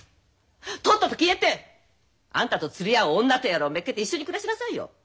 とっとと消えて！あんたと釣り合う女とやらをめっけて一緒に暮らしなさいよ。